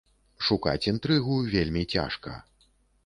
Шукаць інтрыгу вельмі цяжка.